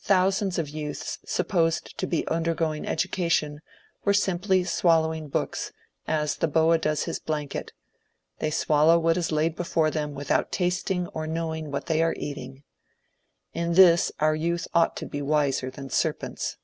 Thousands of youths supposed to be undergoing education were simply swallowing books, as the boa does his blanket ; they swallow what is laid before them without tasting or knowing what they are eating. In this our youth ought to be wiser than serpents.